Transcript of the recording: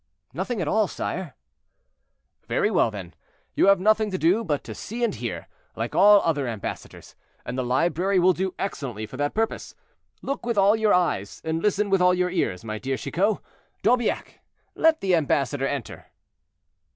"Nothing at all, sire." "Very well, then, you have nothing to do but to see and hear, like all other ambassadors, and the library will do excellently for that purpose. Look with all your eyes, and listen with all your ears, my dear Chicot. D'Aubiac, let the ambassador enter."